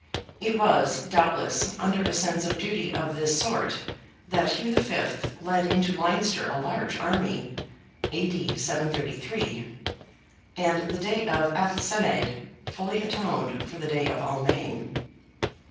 It was, doubtless, under a sense of duty of this sort that Hugh V. led into Leinster a large army (A.D. 733), and the day of Ath Senaid fully atoned for the day of Almain.